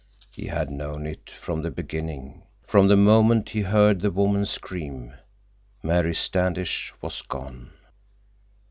He had known it from the beginning, from the moment he heard the woman's scream. Mary Standish was gone.